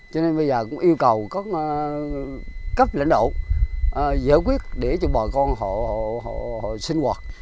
cho nên bây giờ cũng yêu cầu các cấp lãnh đạo giải quyết để cho bà con họ sinh hoạt